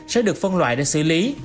sẽ được phân loại để xử lý